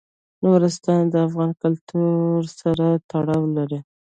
نورستان د افغان کلتور سره تړاو لري.